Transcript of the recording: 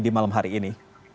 di malam hari ini